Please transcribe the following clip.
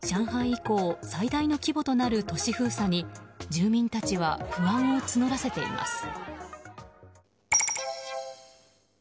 以降、最大の規模となる都市封鎖に住民たちは不安を募らせています。